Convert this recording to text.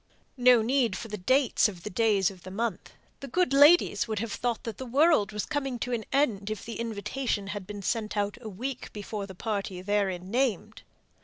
No need for the dates of the days of the month. The good ladies would have thought that the world was coming to an end if the invitation had been sent out a week before the party therein named.